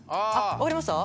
分かりました？